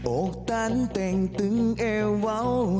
โอ๊คตั้นเต้งถึงเอ้วเอา